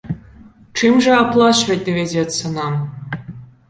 Чым жа адплачваць давядзецца нам?